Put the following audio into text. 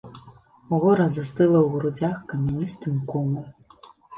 Гора застыла ў грудзях камяністым комам.